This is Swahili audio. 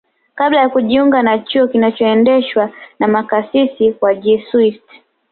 kabla ya kujiunga na chuo kinachoendeshwa na makasisi wa Jesuit